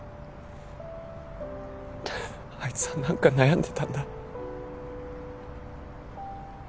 あいつは何か悩んでたんだ。